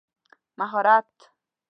مهارت